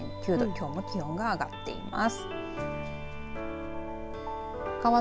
きょうも気温が上がっています。